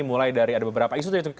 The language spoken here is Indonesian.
mulai dari beberapa isu